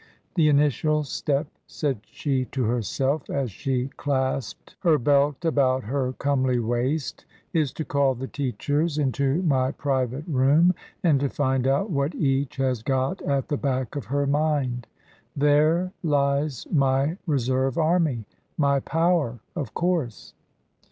"The initial step," said she to herself, as she clasped 8* 90 TRANSITION. her belt about her comely waist, " is to call the teachers into my private room and to find out what each has got at the back of her mind. There lies my reserve army — my power — of course."